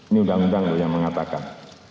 ini undang undang loh yang mengatakan